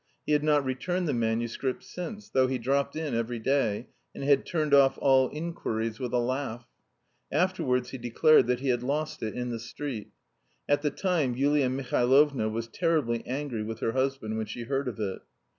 He had not returned the manuscript since, though he dropped in every day, and had turned off all inquiries with a laugh. Afterwards he declared that he had lost it in the street. At the time Yulia Mihailovna was terribly angry with her husband when she heard of it.